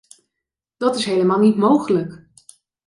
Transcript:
Dat is helemaal niet mogelijk.